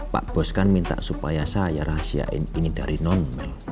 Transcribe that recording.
pak bus kan minta supaya saya rahasiain ini dari nonmel